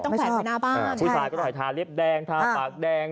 ผู้ชายก็หน่อยทาเล็บแดงทาปากแดง